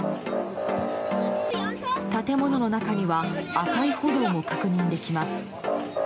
建物の中には赤い炎も確認できます。